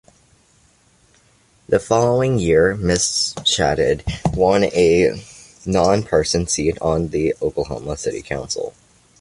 The following year, Mr. Shadid won a non-partisan seat on the Oklahoma City Council.